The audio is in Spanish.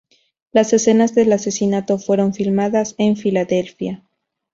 Las escenas del asesinato fueron filmadas en Filadelfia.